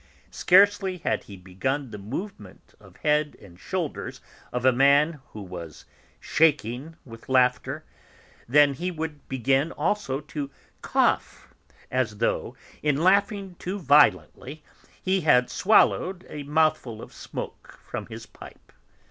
Scarcely had he begun the movement of head and shoulders of a man who was 'shaking with laughter' than he would begin also to cough, as though, in laughing too violently, he had swallowed a mouthful of smoke from his pipe.